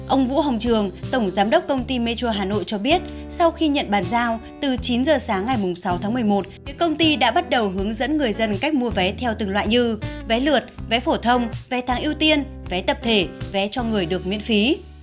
ông vũ hồng trường tổng giám đốc công ty metro hà nội cho biết sau khi nhận bàn giao từ chín giờ sáng ngày sáu tháng một mươi một công ty đã bắt đầu hướng dẫn người dân cách mua vé theo từng loại như vé lượt vé phổ thông vé tháng ưu tiên vé tập thể vé cho người được miễn phí